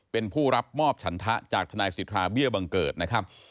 เป็นผู้รับมอบฉันทะจากทนายสิทธาเบี้ยบังเกิดนะครับ